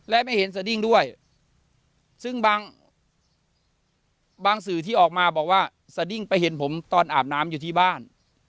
และไม่เห็นสดิ้งด้วยซึ่งบางสื่อที่ออกมาบอกว่าสดิ้งไปเห็นผมตอนอาบน้ำอยู่ที่บ้าน